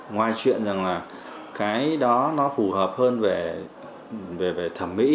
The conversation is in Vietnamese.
ngoài chuyện rằng là cái đó nó phù hợp hơn về thẩm mỹ